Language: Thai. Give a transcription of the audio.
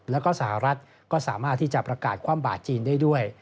แล้วก็สหรัฐก็สามารถที่จะประกาศความบาดจีนได้ด้วย